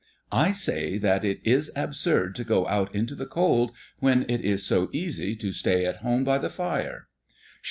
"I say that it is absurd to go out into the cold when it is so easy to stay at home by the fire."